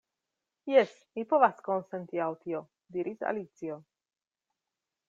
"Jes, mi povas konsenti al tio," diris Alicio.